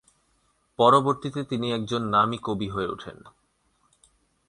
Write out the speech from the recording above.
পরবর্তীতে তিনি একজন নামী কবি হয়ে ওঠেন।